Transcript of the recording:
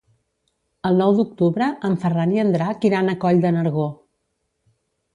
El nou d'octubre en Ferran i en Drac iran a Coll de Nargó.